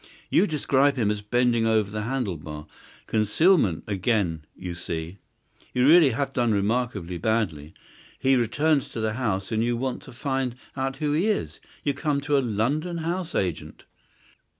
You describe him as bending over the handle bar. Concealment again, you see. You really have done remarkably badly. He returns to the house and you want to find out who he is. You come to a London house agent!"